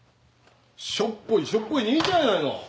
しょっぽいしょっぽい兄ちゃんやないの。